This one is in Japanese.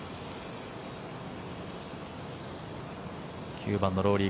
９番のロウリー